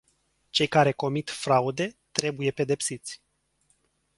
Cei care comit fraude trebuie pedepsiți.